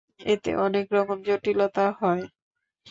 এতে অনেক রকম জটিলতা হয়।